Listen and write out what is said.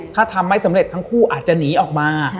ถ้าทำไม่สำเร็จทั้งคู่อาจจะหนีออกมา